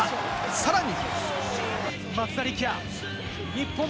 さらに。